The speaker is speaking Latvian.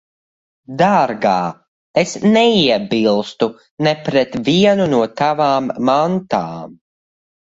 Dārgā, es neiebilstu ne pret vienu no tavām mantām.